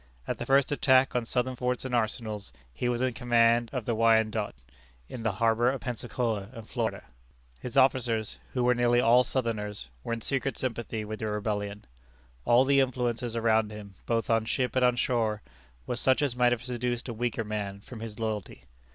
At the first attack on Southern forts and arsenals, he was in command of the Wyandotte, in the harbor of Pensacola, in Florida. His officers, who were nearly all Southerners, were in secret sympathy with the rebellion. All the influences around him, both on ship and on shore, were such as might have seduced a weaker man from his loyalty.